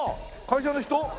会社の人？